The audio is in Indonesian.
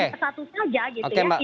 di dua ribu satu saja gitu ya